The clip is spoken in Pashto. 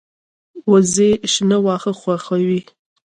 وزې شنه واښه خوښوي